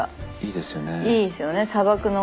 いいですよね。